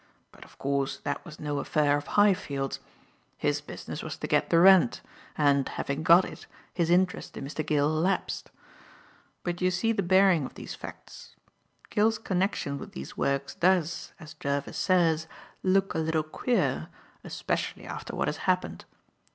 But of course that was no affair of Highfield's. His business was to get the rent, and, having got it, his interest in Mr. Gill lapsed. But you see the bearing of these facts. Gill's connection with these works does, as Jervis says, look a little queer, especially after what has happened.